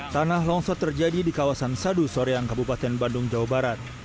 tanah longsor terjadi di kawasan sadu soreang kabupaten bandung jawa barat